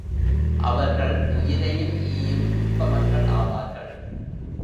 அவர்கள் உயிரையும் ஈயும் உத்தமர்கள் ஆவார்கள்.